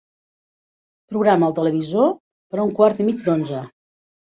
Programa el televisor per a un quart i mig d'onze.